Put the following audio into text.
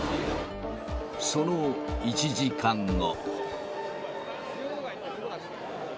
その１時間後。